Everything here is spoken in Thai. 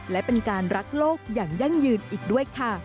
และเป็นการรักโลกอย่างยั่งยืนอีกด้วยค่ะ